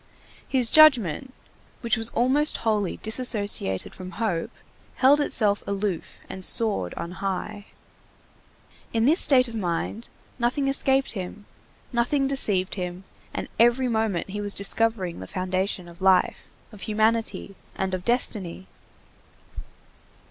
His judgment, which was almost wholly disassociated from hope, held itself aloof and soared on high. In this state of mind nothing escaped him, nothing deceived him, and every moment he was discovering the foundation of life, of humanity, and of destiny.